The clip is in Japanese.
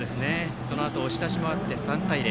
そのあと押し出しもあって３対０。